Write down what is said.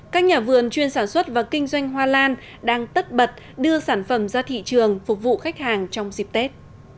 các nhà vườn chuyên sản xuất và kinh doanh hoa lan đang tất bật đưa sản phẩm ra thị trường phục vụ khách hàng trong dịp tết